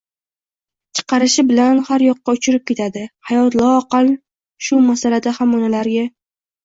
chiqarishi bilan har yoqqa uchirib ketadi. Hayot loaqal shu masalada ham onalarga